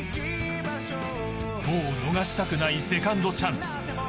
もう逃したくないセカンドチャンス。